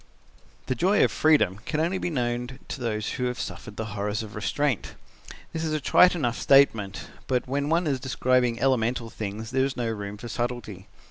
"The joy of freedom can only be known to those who have suffered the horrors of restraint. That is a trite enough statement, but when one is describing elemental things there is no room for subtlety.